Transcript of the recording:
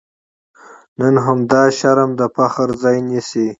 نن همدا شرم د فخر ځای نیسي.